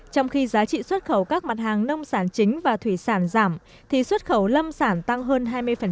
trong khi giá trị xuất khẩu các mặt hàng nông sản chính và thủy sản giảm thì xuất khẩu lâm sản tăng hơn hai mươi